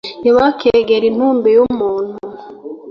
ntibakegere intumbi y’umuntu